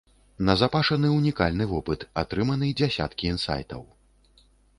Назапашаны ўнікальны вопыт, атрыманы дзясяткі інсайтаў.